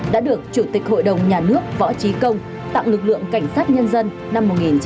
đã được chủ tịch hội đồng nhà nước võ trí công tặng lực lượng cảnh sát nhân dân năm một nghìn chín trăm bảy mươi